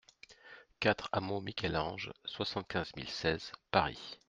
quatre hameau Michel-Ange, soixante-quinze mille seize Paris